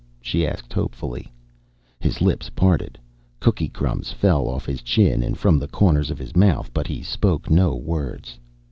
she asked hopefully. His lips parted. Cookie crumbs fell off his chin and from the corners of his mouth, but he spoke no words.